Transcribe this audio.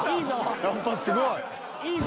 やっぱすごい。